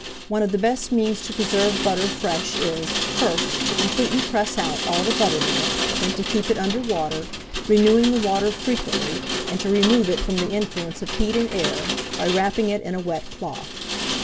One of the best means to preserve butter fresh is, first to completely press out all the buttermilk, then to keep it under water, renewing the water frequently, and to remove it from the influence of heat and air, by wrapping it in a wet cloth.